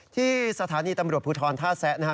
ที่สถานีตำรวจภูทรท่าแซะนะครับ